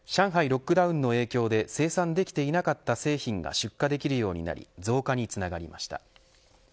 ロックダウンの影響で生産できていなかった製品が出荷できるようになり増加につながりました。